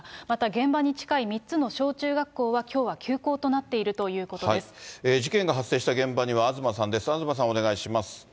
また現場に近い３つの小中学校はきょうは休校となっているという事件が発生した現場には、東さんです。